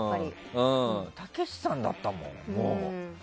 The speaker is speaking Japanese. たけしさんだったもん、もう。